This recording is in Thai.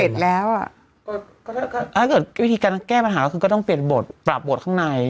ถ้าวิธีการแก้ปัญหาต้องปรับบทข้างใน